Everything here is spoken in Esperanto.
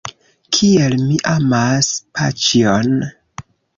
Kiel mi amas paĉjon!